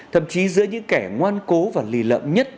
thậm chí giữa những kẻ ngoan cố và lì lợm nhất